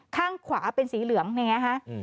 ข้างขวาเป็นสีเหลืองนะฮะ